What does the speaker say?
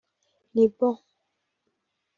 Ni Bon